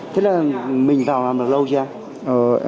thế là mình vào làm được lâu chưa